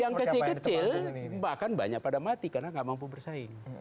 yang kecil kecil bahkan banyak pada mati karena nggak mampu bersaing